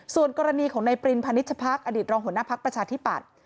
ส่วนกรณีของในปริณพนิจภักรอดิษรองค์หัวหน้าพักประชาธิบัติ